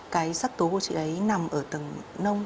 cái sắc tố của chị ấy nằm ở tầng nông